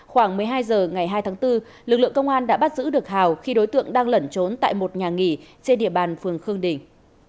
khoảng một mươi hai h ngày hai tháng bốn lực lượng công an đã bắt giữ được hào khi đối tượng đang lẩn trốn tại một nhà nghỉ trên địa bàn phường khương đình